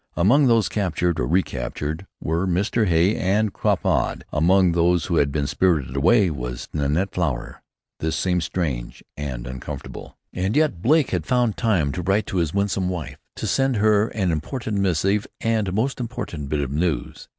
Among those captured, or recaptured, were Mr. Hay and Crapaud. Among those who had been spirited away was Nanette Flower. This seemed strange and unaccountable. And yet Blake had found time to write to his winsome wife, to send her an important missive and most important bit of news.